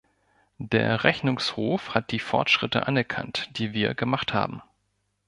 Der Rechnungshof hat die Fortschritte anerkannt, die wir gemacht haben.